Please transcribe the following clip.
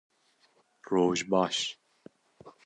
Roj baş